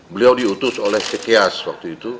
beliau diutus oleh cekias waktu itu